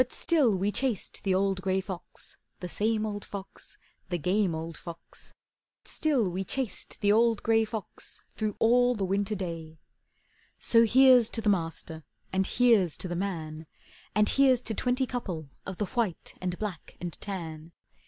But may we meet the old gray fox, The same old fox, The game old fox; May we meet the old gray fox Before the year is done. So here's to the master, And here's to the man! And here's to twenty couple Of the white and black and tan!